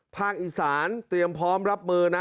ภาคอีสานเตรียมพร้อมรับมือนะ